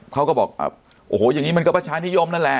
เขาก็บอกโอ้โหอย่างนี้มันก็ประชานิยมนั่นแหละ